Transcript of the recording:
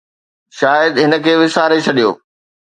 شايد هن کي وساري ڇڏيو